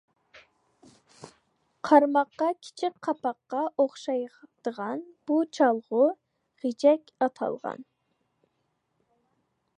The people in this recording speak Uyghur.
قارىماققا كىچىك قاپاققا ئوخشايدىغان بۇ چالغۇ «غېجەك» ئاتالغان.